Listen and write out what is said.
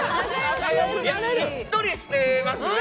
しっとりしていますね。